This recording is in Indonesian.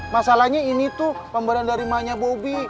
masalahnya ini tuh pemberian dari mahanya bobby